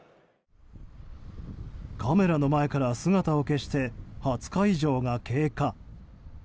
カメラの前から姿を消して２０日以上が経過。